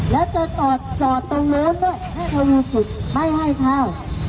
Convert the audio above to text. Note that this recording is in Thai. แล้วจะจอดตรงรถด้วยแม่งถึงปรากฏว่าไม่ให้เขา